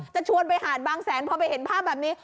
จะชวนไปหาดบางแสนพอไปเห็นภาพแบบนี้